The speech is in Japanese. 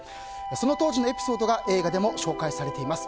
その当時のエピソードが映画でも紹介されています。